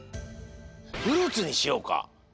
フルーツにしようか。